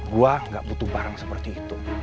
gue gak butuh barang seperti itu